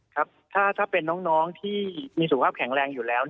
ครับถ้าเป็นน้องที่มีสุขภาพแข็งแรงอยู่แล้ว